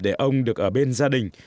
để ông được ở bên gia đình